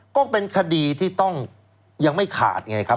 ก็เป็นคดีที่ต้องยังไม่ขาดไงครับ